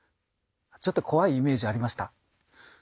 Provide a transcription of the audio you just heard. ちょっと怖いイメージありました？